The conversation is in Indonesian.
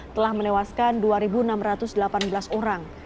telah menewaskan dua enam ratus delapan belas orang